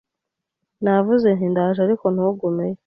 Navuze nti Ndaje ariko ntugumeyo